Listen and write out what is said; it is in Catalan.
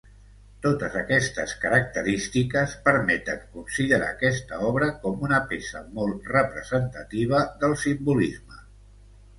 Totes aquestes característiques permeten considerar aquesta obra com una peça molt representativa del simbolisme.